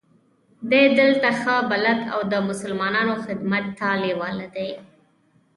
دی دلته ښه بلد او د مسلمانانو خدمت ته لېواله دی.